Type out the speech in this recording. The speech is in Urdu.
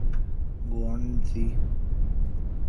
گوئرنسی